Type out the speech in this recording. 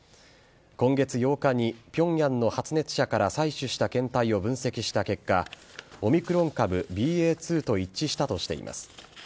今月８日に平壌の発熱者から採取した検体を分析した結果オミクロン株ＢＡ．２と一致したとしています。